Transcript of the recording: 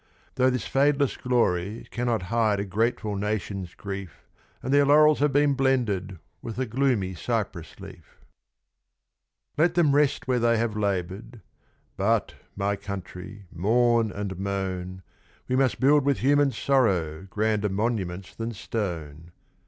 Though this fadeless glory cannot hide a grateful nation's grief, And their laurels have been blended with the gloomy cypress leaf. Let them rest where they have laboured! but, my country, mourn and moan; We must build with human sorrow grander monuments than stone.